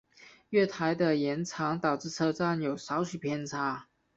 月台的延长导致车站有少许偏差。